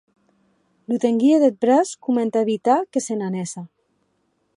Lo tenguie deth braç, coma entà evitar que se n’anèsse.